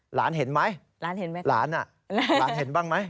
หลานเห็นไหมหลานเห็นบ้างไหม